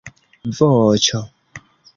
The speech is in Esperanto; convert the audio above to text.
voĉo